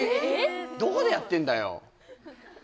どこでやってんだよ